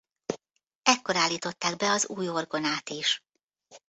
Ekkor állították be az új orgonát is.